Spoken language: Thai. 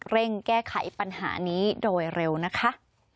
แก้ไขปัญหานี้โดยเร็วนะคะ